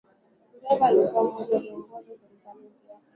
Guevara alikuwa mmoja wa viongozi wa serikali mpya ya Cuba